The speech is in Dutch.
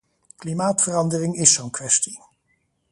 Klimaatverandering is zo’n kwestie.